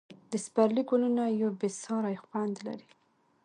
د پسرلي ګلونه یو بې ساری خوند لري.